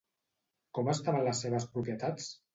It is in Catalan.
Com estaven les seves propietats?